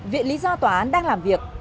viện lý do tòa án đang làm việc